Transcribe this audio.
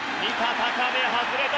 高め外れた。